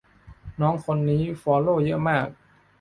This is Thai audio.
น้องคนนี้คนฟอลโลว์เยอะมาก